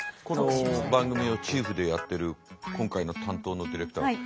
この番組をチーフでやってる今回の担当のディレクター。